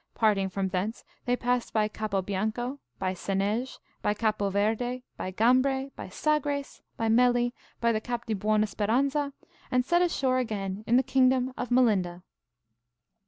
Parting from thence, they passed by Capobianco, by Senege, by Capoverde, by Gambre, by Sagres, by Melli, by the Cap di Buona Speranza, and set ashore again in the kingdom of Melinda.